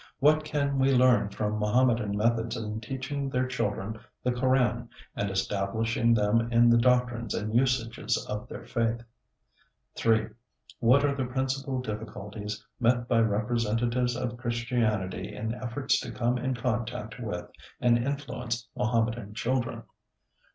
What can we learn from Mohammedan methods in teaching their children the Koran, and establishing them in the doctrines and usages of their faith? 3. What are the principal difficulties met by representatives of Christianity in efforts to come in contact with and influence Mohammedan children?